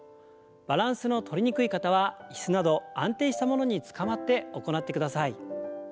バランスのとりにくい方は椅子など安定したものにつかまって行ってください。